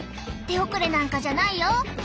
手遅れなんかじゃないよ！